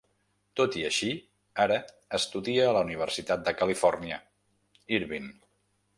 Tot i així, ara estudia a la Universitat de Califòrnia (Irvine).